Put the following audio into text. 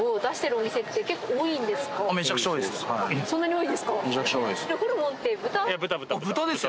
そんなに多いですか。